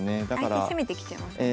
相手攻めてきちゃいますからね。